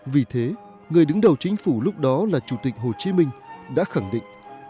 vì thế người đứng đầu chính phủ lúc đó là chủ tịch hồ chí minh đã khẳng định